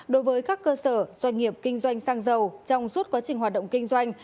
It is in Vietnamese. đối với các cơ sở doanh nghiệp kinh doanh xăng dầu trong suốt quá trình hoạt động kinh doanh